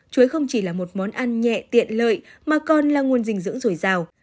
chuối không chỉ là một món ăn nhẹ tiện lợi mà còn là nguồn dinh dưỡng dồi dào